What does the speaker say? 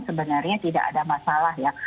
sebenarnya tidak ada masalah ya